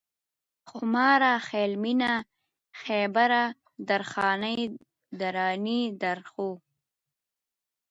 خوماره ، خيال مينه ، خيبره ، درخانۍ ، درانۍ ، درخو